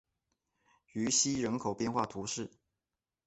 于西人口变化图示